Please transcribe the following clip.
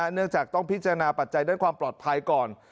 เนื่องจากต้องพิจารณาปัจจัยด้านความปลอดภัยก่อน